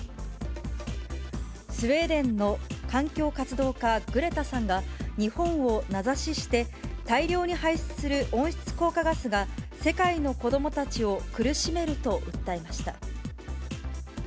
スウェーデンの環境活動家、グレタさんが、日本を名指しして、大量に排出する温室効果ガスが世界の子どもたちを苦しめると訴えました。